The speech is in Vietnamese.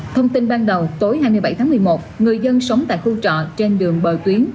thông tin ban đầu tối hai mươi bảy tháng một mươi một người dân sống tại khu trọ trên đường bờ tuyến